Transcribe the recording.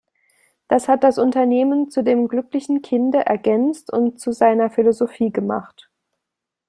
Das hat das Unternehmen zu „dem glücklichen Kinde“ ergänzt und zu seiner Philosophie gemacht.